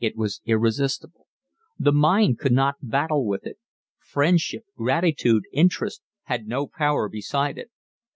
It was irresistible: the mind could not battle with it; friendship, gratitude, interest, had no power beside it.